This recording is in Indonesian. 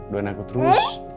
doain aku terus